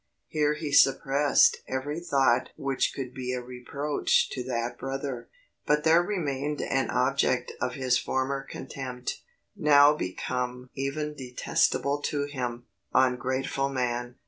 Here he suppressed every thought which could be a reproach to that brother. But there remained an object of his former contempt, now become even detestable to him; ungrateful man.